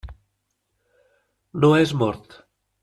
No és mort.